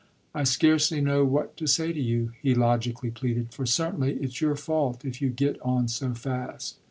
"I scarcely know what to say to you," he logically pleaded, "for certainly it's your fault if you get on so fast."